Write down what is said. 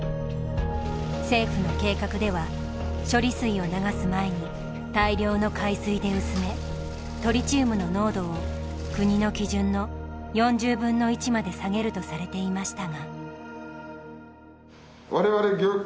政府の計画では処理水を流す前に大量の海水で薄めトリチウムの濃度を国の基準の４０分の１まで下げるとされていましたが。